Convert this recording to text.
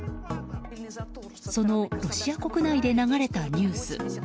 そのロシア国内で流れたニュース。